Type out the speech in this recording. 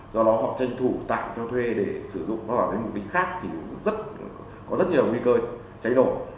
do đó họ tranh thủ tạm cho thuê để sử dụng nó vào cái mục đích khác thì có rất nhiều nguy cơ cháy nổ